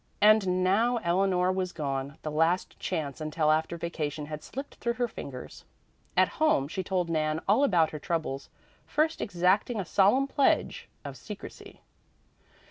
And now Eleanor was gone; the last chance until after vacation had slipped through her fingers. At home she told Nan all about her troubles, first exacting a solemn pledge of secrecy.